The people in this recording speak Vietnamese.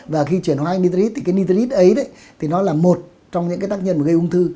và khi chuyển hóa thành nitrite thì cái nitrite ấy thì nó là một trong những tác nhân gây ung thư